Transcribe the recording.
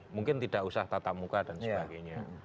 mungkin tidak usah tatap muka dan sebagainya